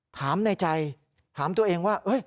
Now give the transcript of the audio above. ถามในใจถามตัวเองว่า